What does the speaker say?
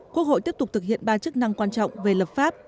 quốc hội tiếp tục thực hiện ba chức năng quan trọng về lập pháp